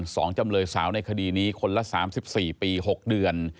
สองจำเลยสาวในคดีนี้คนละ๓๔ปี๖เดือน